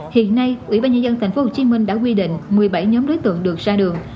hiện nay ủy ban nhân dân tp hcm đã quy định một mươi bảy nhóm đối tượng được ra đường